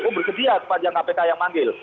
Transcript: oh bersedia sepanjang kpk yang manggil